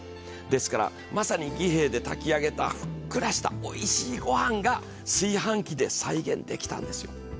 ですからまさに儀兵衛で炊き上げた、ふっくらごはんが炊飯器で再現できたんです。